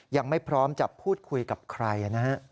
ยังไม่พร้อมจะพูดคุยกับใครนะฮะ